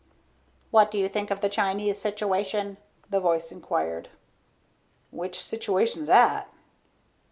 "What do you think of the Chinese situation?" the voice inquired. "Which situation's 'at?"